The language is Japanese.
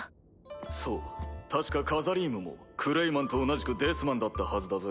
そう確かカザリームもクレイマンと同じくデスマンだったはずだぜ。